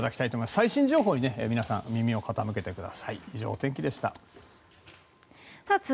最新情報に皆さん、耳を傾けてください。